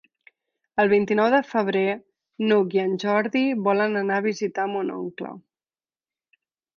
El vint-i-nou de febrer n'Hug i en Jordi volen anar a visitar mon oncle.